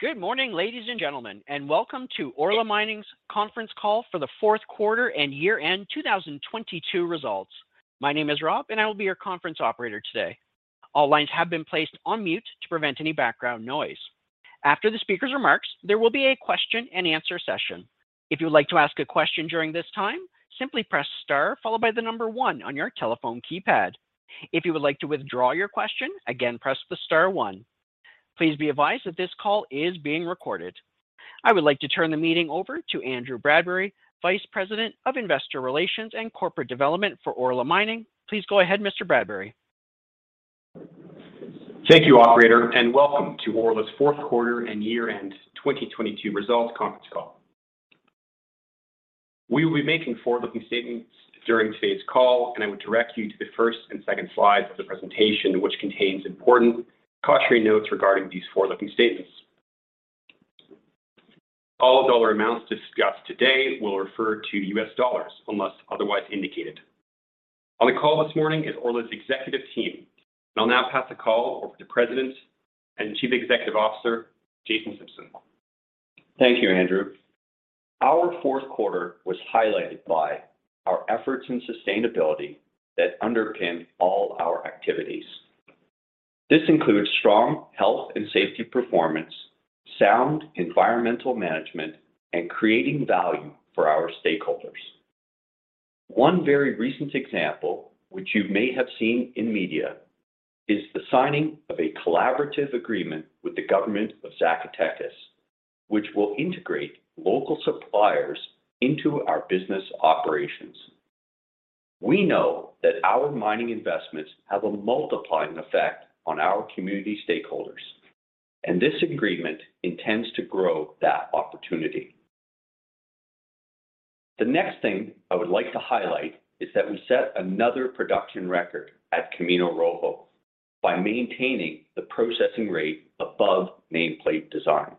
Good morning, ladies and gentlemen, and welcome to Orla Mining's conference call for the Q4 and year-end 2022 results. My name is Rob, and I will be your conference operator today. All lines have been placed on mute to prevent any background noise. After the speaker's remarks, there will be a Q&A session. If you would like to ask a question during this time, simply press Star 1 on your telephone keypad. If you would like to withdraw your question, again, press the Star 1. Please be advised that this call is being recorded. I would like to turn the meeting Orla to Andrew Bradbury, Vice President of Investor Relations and Corporate Development for Orla Mining. Please go ahead, Mr. Bradbury. Thank you, operator. Welcome to Orla's Q4 and year-end 2022 results conference call. We will be making forward-looking statements during today's call, and I would direct you to the first and second slides of the presentation, which contains important cautionary notes regarding these forward-looking statements. All dollar amounts discussed today will refer to U.S. dollars unless otherwise indicated. On the call this morning is Orla's executive team. I'll now pass the call to President and Chief Executive Officer, Jason Simpson. Thank you, Andrew. Our Q4 was highlighted by our efforts in sustainability that underpin all our activities. This includes strong health and safety performance, sound environmental management, and creating value for our stakeholders. One very recent example, which you may have seen in media, is the signing of a collaborative agreement with the government of Zacatecas, which will integrate local suppliers into our business operations. We know that our mining investments have a multiplying effect on our community stakeholders. This agreement intends to grow that opportunity. The next thing I would like to highlight is that I set another production record at Camino Rojo by maintaining the processing rate above nameplate design.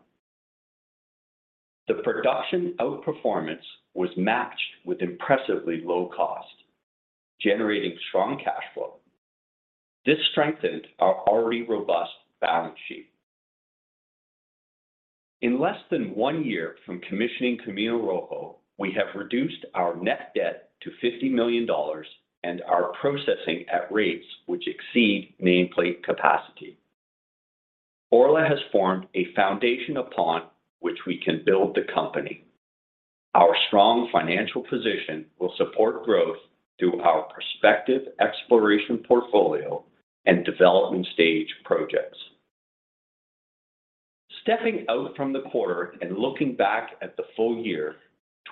The production outperformance was matched with impressively low cost, generating strong cash flow. This strengthened our already robust balance sheet. In less than one year from commissioning Camino Rojo, we have reduced our net debt to $50 million and are processing at rates which exceed nameplate capacity. Orla has formed a foundation upon which we can build the company. Our strong financial position will support growth through our prospective exploration portfolio and development stage projects. Stepping out from the quarter and looking back at the full year,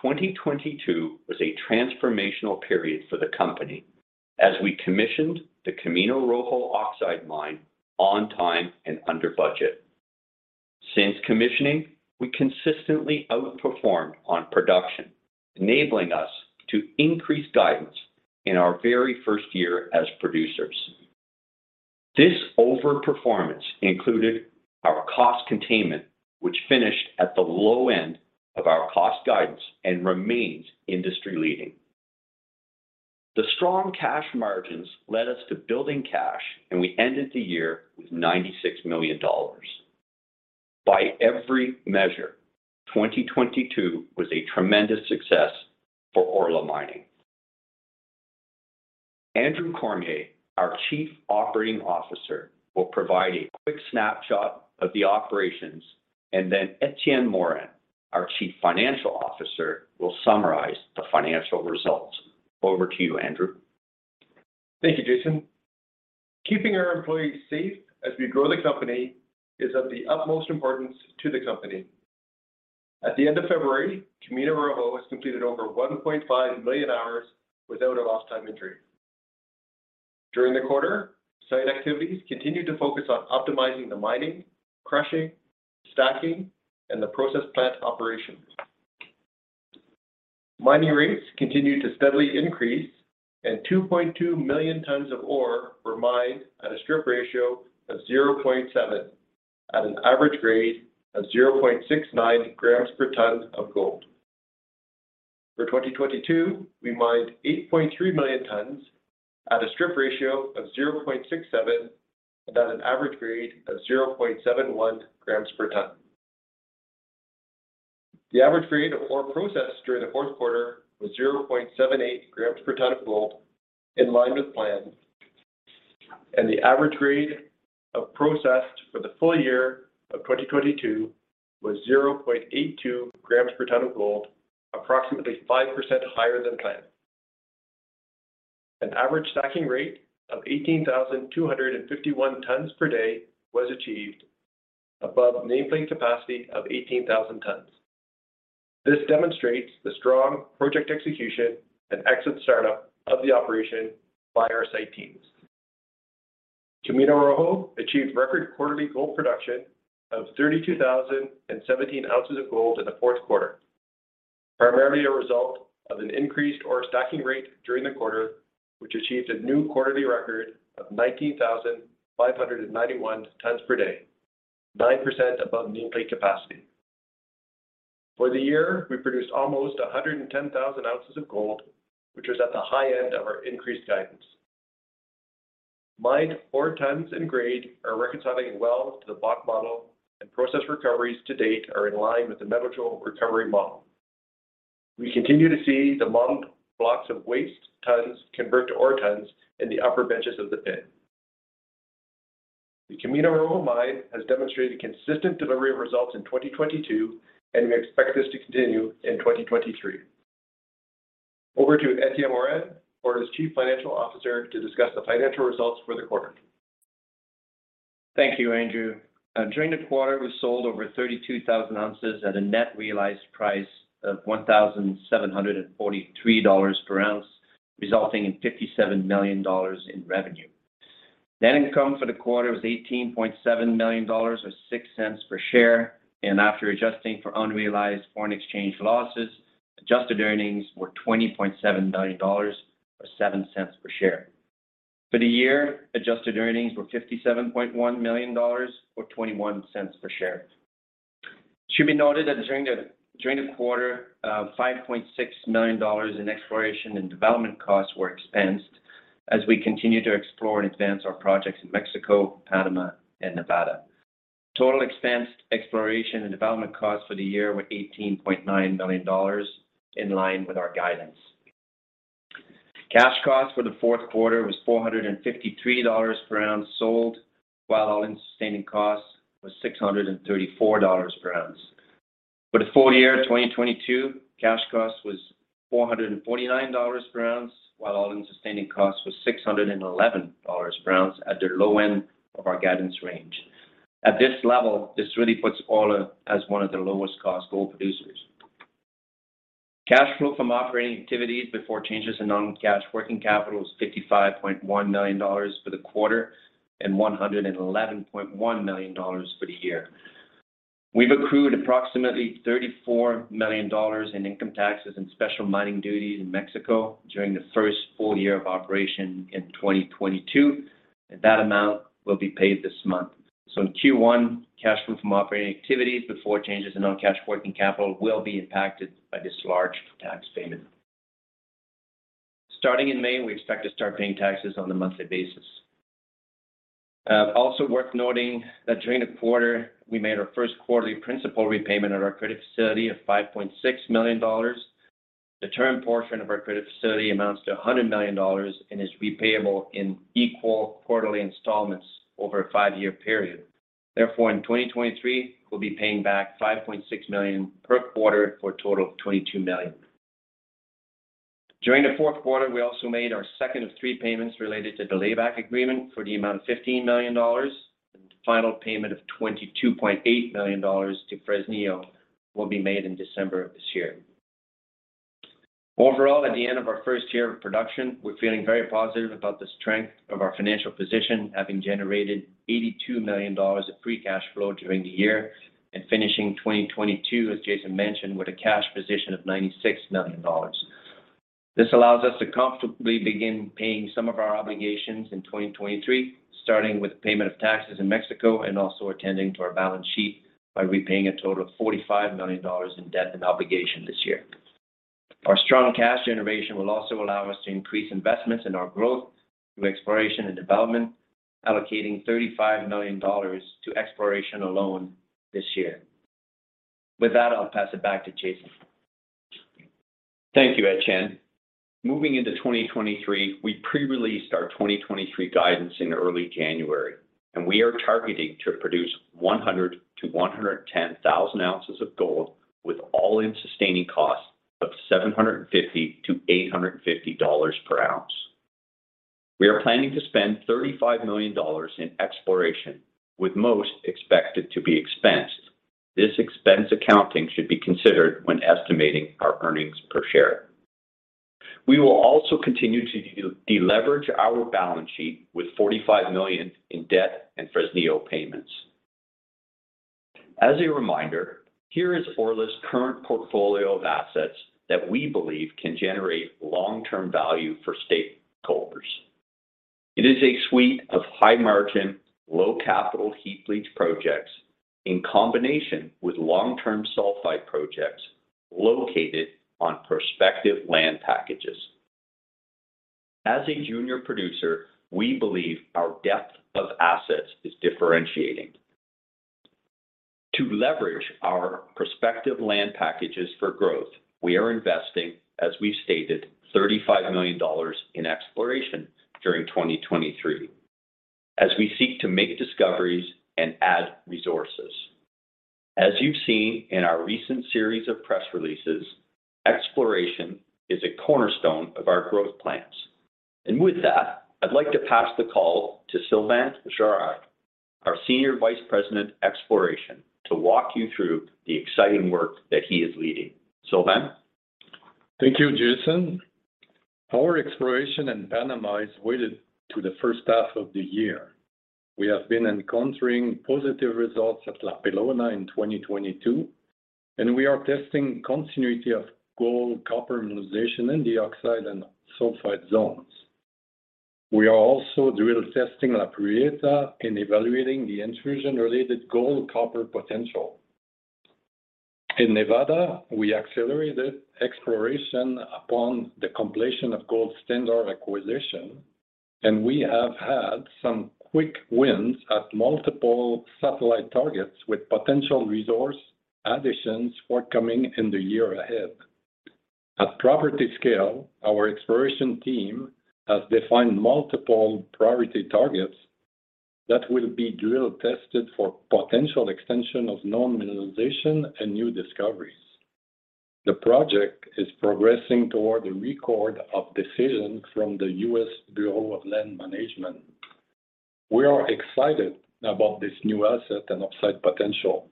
2022 was a transformational period for the company as we commissioned the Camino Rojo oxide mine on time and under budget. Since commissioning, we consistently outperformed on production, enabling us to increase guidance in our very first year as producers. This overperformance included our cost containment, which finished at the low end of our cost guidance and remains industry-leading. The strong cash margins led us to building cash, and we ended the year with $96 million. By every measure, 2022 was a tremendous success for Orla Mining. Andrew Cormier, our Chief Operating Officer, will provide a quick snapshot of the operations, and then Etienne Morin, our Chief Financial Officer, will summarize the financial results. Over to you, Andrew. Thank you, Jason. Keeping our employees safe as we grow the company is of the utmost importance to the company. At the end of February, Camino Rojo has completed Orla 1.5 million hours without a lost-time injury. During the quarter, site activities continued to focus on optimizing the mining, crushing, stacking, and the process plant operations. Mining rates continued to steadily increase, and 2.2 million tons of ore were mined at a strip ratio of 0.7 at an average grade of 0.69 grams per ton of gold. For 2022, we mined 8.3 million tons at a strip ratio of 0.67 and at an average grade of 0.71 grams per ton. The average grade of ore processed during the Q4 was 0.78 grams per ton of gold in line with plan, and the average grade of processed for the full year of 2022 was 0.82 grams per ton of gold, approximately 5% higher than plan. An average stacking rate of 18,251 tons per day was achieved above nameplate capacity of 18,000 tons. This demonstrates the strong project execution and exit startup of the operation by our site teams. Camino Rojo achieved record quarterly gold production of 32,017 ounces of gold in the Q4, primarily a result of an increased ore stacking rate during the quarter, which achieved a new quarterly record of 19,591 tons per day, 9% above nameplate capacity. For the year, we produced almost 110,000 ounces of gold, which was at the high end of our increased guidance. Mined ore tons and grade are reconciling well to the block model, and process recoveries to date are in line with the metallurgical recovery model. We continue to see the mined blocks of waste tons convert to ore tons in the upper benches of the pit. The Camino Rojo mine has demonstrated consistent delivery of results in 2022, and we expect this to continue in 2023. Over to Etienne Morin, Orla's Chief Financial Officer, to discuss the financial results for the quarter. Thank you, Andrew. During the quarter, we sold Orla 32,000 ounces at a net realized price of $1,743 per ounce, resulting in $57 million in revenue. Net income for the quarter was $18.7 million or $0.06 per share, and after adjusting for unrealized foreign exchange losses, adjusted earnings were $20.7 million or $0.07 per share. For the year, adjusted earnings were $57.1 million or $0.21 per share. It should be noted that during the quarter, $5.6 million in exploration and development costs were expensed as we continue to explore and advance our projects in Mexico, Panama, and Nevada. Total expensed exploration and development costs for the year were $18.9 million in line with our guidance. Cash cost for the Q4 was $453 per ounce sold, while all-in sustaining costs was $634 per ounce. For the full year of 2022, cash cost was $449 per ounce, while all-in sustaining costs was $611 per ounce at the low end of our guidance range. At this level, this really puts Orla as one of the lowest-cost gold producers. Cash flow from operating activities before changes in non-cash working capital was $55.1 million for the quarter and $111.1 million for the year. We've accrued approximately $34 million in income taxes and special mining duties in Mexico during the first full year of operation in 2022. That amount will be paid this month. In Q1, cash flow from operating activities before changes in non-cash working capital will be impacted by this large tax payment. Starting in May, we expect to start paying taxes on a monthly basis. Also worth noting that during the quarter, we made our Q1ly principal repayment of our credit facility of $5.6 million. The term portion of our credit facility amounts to $100 million and is repayable in equal quarterly installments over a 5-year period. Therefore, in 2023, we'll be paying back $5.6 million per quarter for a total of $22 million. During the Q4, we also made our second of 3 payments related to the Layback Agreement for the amount of $15 million. The final payment of $22.8 million to Fresnillo will be made in December of this year. Overall, at the end of our first year of production, we're feeling very positive about the strength of our financial position, having generated $82 million of free cash flow during the year and finishing 2022, as Jason mentioned, with a cash position of $96 million. This allows us to comfortably begin paying some of our obligations in 2023, starting with payment of taxes in Mexico and also attending to our balance sheet by repaying a total of $45 million in debt and obligation this year. Our strong cash generation will also allow us to increase investments in our growth through exploration and development, allocating $35 million to exploration alone this year. With that, I'll pass it back to Jason. Thank you, Etienne. Moving into 2023, we pre-released our 2023 guidance in early January. We are targeting to produce 100,000 to 110,000 ounces of gold with all-in sustaining costs of $750 to $850 per ounce. We are planning to spend $35 million in exploration, with most expected to be expensed. This expense accounting should be considered when estimating our earnings per share. We will also continue to de-leverage our balance sheet with $45 million in debt and Fresnillo payments. As a reminder, here is Orla's current portfolio of assets that we believe can generate long-term value for stakeholders. It is a suite of high-margin, low-capital heap leach projects in combination with long-term sulfide projects located on prospective land packages. As a junior producer, we believe our depth of assets is differentiating. To leverage our prospective land packages for growth, we are investing, as we've stated, $35 million in exploration during 2023 as we seek to make discoveries and add resources. With that, I'd like to pass the call to Sylvain Guerard, our Senior Vice President, Exploration, to walk you through the exciting work that he is leading. Sylvain? Thank you, Jason. Our exploration in Panama is weighted to the H1 of the year. We have been encountering positive results at La Pelona in 2022. We are testing continuity of gold-copper mineralization in the oxide and sulfide zones. We are also drill testing La Prieta in evaluating the intrusion-related gold-copper potential. In Nevada, we accelerated exploration upon the completion of Gold Standard acquisition. We have had some quick wins at multiple satellite targets with potential resource additions forthcoming in the year ahead. At property scale, our exploration team has defined multiple priority targets that will be drill tested for potential extension of known mineralization and new discoveries. The project is progressing toward a record of decision from the US Bureau of Land Management. We are excited about this new asset and upside potential.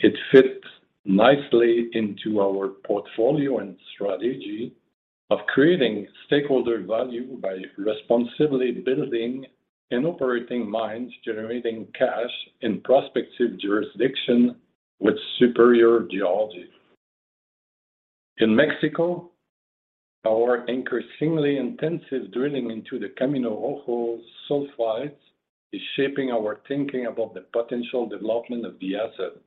It fits nicely into our portfolio and strategy of creating stakeholder value by responsibly building and operating mines, generating cash in prospective jurisdiction with superior geology. In Mexico, our increasingly intensive drilling into the Camino Rojo sulfides is shaping our thinking about the potential development of the asset.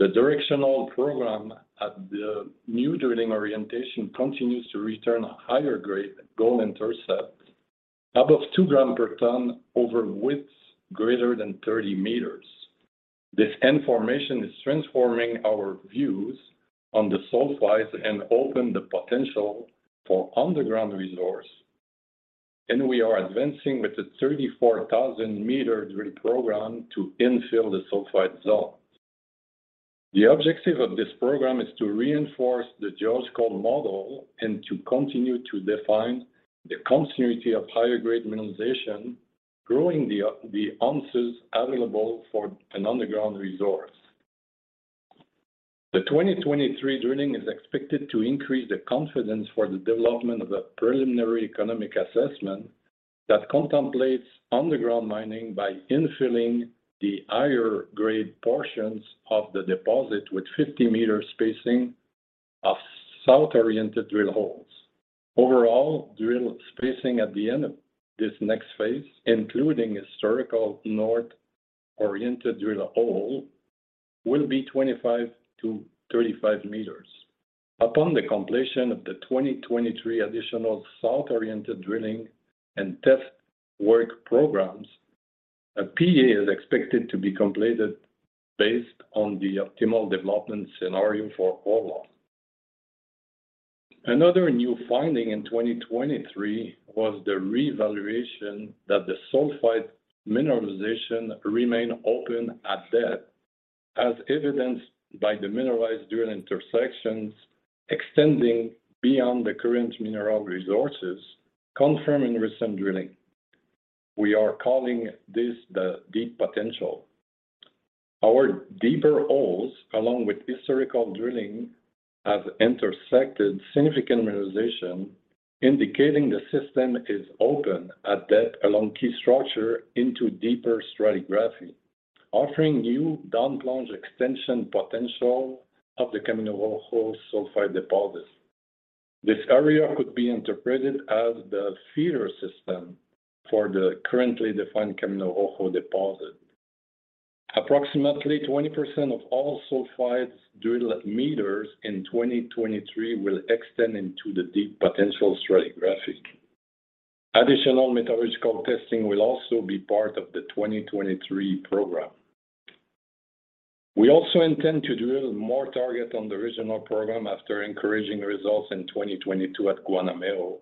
The directional program at the new drilling orientation continues to return higher-grade gold intercepts above 2 grams per ton Orla widths greater than 30 meters. This information is transforming our views on the sulfides and open the potential for underground resource. We are advancing with a 34,000 meter drill program to infill the sulfide zone. The objective of this program is to reinforce the geological model and to continue to define the continuity of higher-grade mineralization, growing the ounces available for an underground resource. The 2023 drilling is expected to increase the confidence for the development of a preliminary economic assessment that contemplates underground mining by infilling the higher grade portions of the deposit with 50-meter spacing of south-oriented drill holes. Overall, drill spacing at the end of this next phase, including historical north-oriented drill hole, will be 25 to 35 meters. Upon the completion of the 2023 additional south-oriented drilling and test work programs, a PEA is expected to be completed based on the optimal development scenario for Orla. Another new finding in 2023 was the revaluation that the sulfide mineralization remained open at depth, as evidenced by the mineralized drill intersections extending beyond the current mineral resources, confirming recent drilling. We are calling this the deep potential. Our deeper holes, along with historical drilling, have intersected significant mineralization, indicating the system is open at depth along key structure into deeper stratigraphy, offering new down-plunge extension potential of the Camino Rojo sulfide deposits. This area could be interpreted as the feeder system for the currently defined Camino Rojo deposit. Approximately 20% of all sulfides drill meters in 2023 will extend into the deep potential stratigraphic. Additional metallurgical testing will also be part of the 2023 program. We also intend to drill more targets on the regional program after encouraging results in 2022 at Guanamero,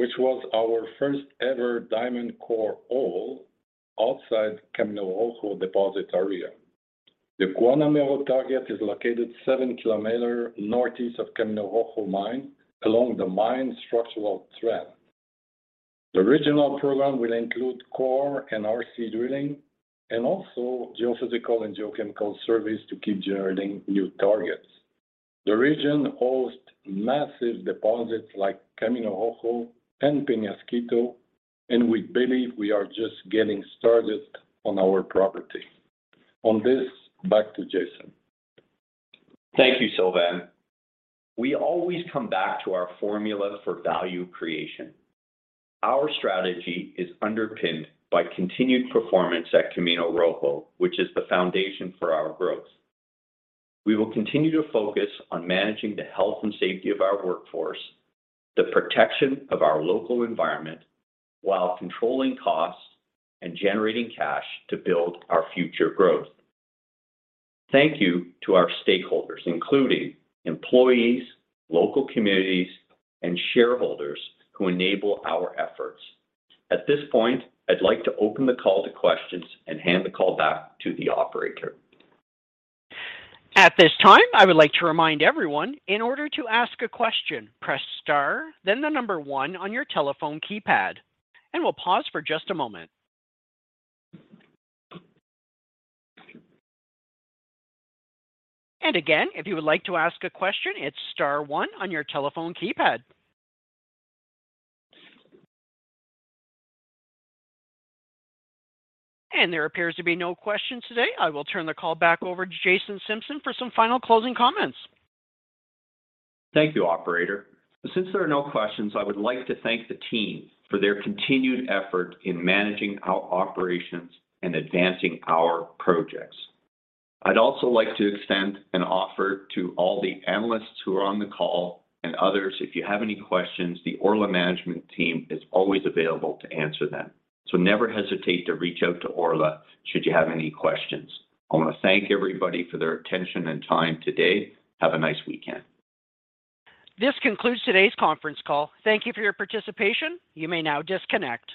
which was our first ever diamond core hole outside Camino Rojo deposit area. The Guanamero target is located 7 kilometer northeast of Camino Rojo mine along the mine structural trend. The regional program will include core and RC drilling and also geophysical and geochemical surveys to keep generating new targets. The region hosts massive deposits like Camino Rojo and Peñasquito, and we believe we are just getting started on our property. On this, back to Jason. Thank you, Sylvain. We always come back to our formula for value creation. Our strategy is underpinned by continued performance at Camino Rojo, which is the foundation for our growth. We will continue to focus on managing the health and safety of our workforce, the protection of our local environment, while controlling costs and generating cash to build our future growth. Thank you to our stakeholders, including employees, local communities, and shareholders who enable our efforts. At this point, I'd like to open the call to questions and hand the call back to the operator. At this time, I would like to remind everyone, in order to ask a question, press star, then the number one on your telephone keypad, and we'll pause for just a moment. Again, if you would like to ask a question, it's star one on your telephone keypad. There appears to be no questions today. I will turn the call back Orla to Jason Simpson for some final closing comments. Thank you, operator. Since there are no questions, I would like to thank the team for their continued effort in managing our operations and advancing our projects. I'd also like to extend an offer to all the analysts who are on the call and others. If you have any questions, the Orla management team is always available to answer them. Never hesitate to reach out to Orla should you have any questions. I want to thank everybody for their attention and time today. Have a nice weekend. This concludes today's conference call. Thank you for your participation. You may now disconnect.